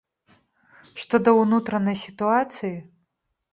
Што да ўнутранай сітуацыі.